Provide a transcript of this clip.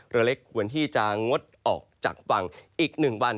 เรือเล็กควรที่จะงดออกจากฝั่งอีก๑วัน